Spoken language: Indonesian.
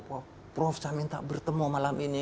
wah prof saya minta bertemu malam ini